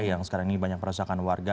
yang sekarang ini banyak perusahaan warga